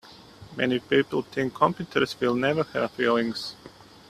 Many people think computers will never have feelings.